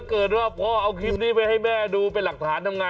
เกิดว่าพ่อเอาคลิปนี้ไปให้แม่ดูเป็นหลักฐานทำไง